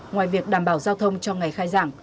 ngoài việc đảm bảo giao thông cho ngày khai giảng